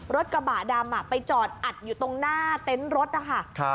รถกระบะดำไปจอดอัดอยู่ตรงหน้าเต็นต์รถนะคะ